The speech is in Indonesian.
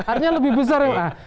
artinya lebih besar ya pak